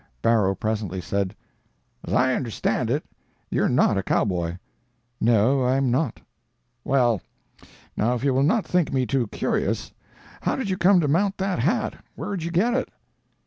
Barrow presently said: "As I understand it, you're not a cowboy." "No, I'm not." "Well, now if you will not think me too curious, how did you come to mount that hat? Where'd you get it?"